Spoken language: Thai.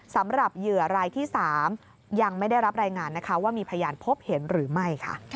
สำหรับเหยื่อรายที่๓ยังไม่ได้รับรายงานว่ามีพยานพบเห็นหรือไม่